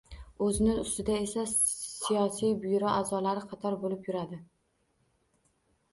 O’zini ustidan esa... Siyosiy byuro a’zolari qator bo‘lib yuradi!